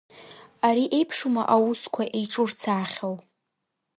Ари еиԥшума аусқәа еиҿурцаахьоу…